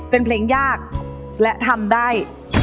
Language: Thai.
เป็นเพลงยากและทำได้